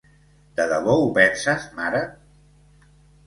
De debò ho penses, mare?